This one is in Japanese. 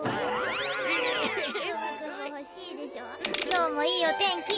・今日もいいお天気！